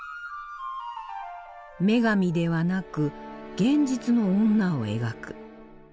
女神ではなく現実の女を描く。